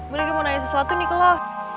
gue lagi mau nanya sesuatu nih ke lo